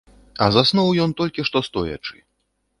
А заснуў ён толькі што, стоячы.